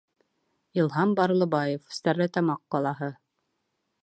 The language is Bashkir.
Илһам БАРЛЫБАЕВ, Стәрлетамаҡ ҡалаһы: